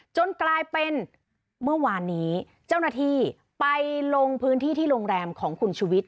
จนกลายเป็นเมื่อวานนี้เจ้าหน้าที่ไปลงพื้นที่ที่โรงแรมของคุณชุวิต